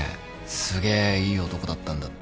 すげえいい男だったんだって。